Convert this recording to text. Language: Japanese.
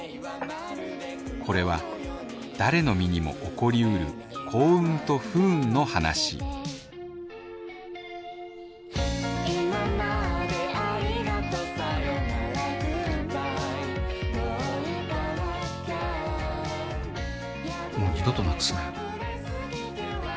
これは誰の身にも起こりうる幸運と不運の話もう二度と失くすなよ。